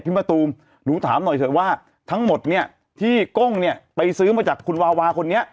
มะตูมหนูถามหน่อยเถอะว่าทั้งหมดเนี่ยที่ก้งเนี่ยไปซื้อมาจากคุณวาวาคนนี้